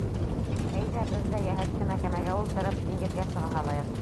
Әйҙә, беҙ ҙә, йәһәт кенә кәмәгә ултырып, диңгеҙгә сыға һалайыҡ.